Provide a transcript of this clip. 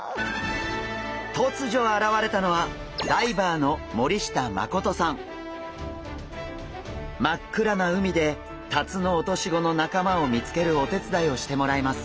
とつじょ現れたのは真っ暗な海でタツノオトシゴの仲間を見つけるお手伝いをしてもらいます。